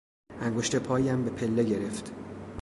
انگشت پایم به پله گرفت.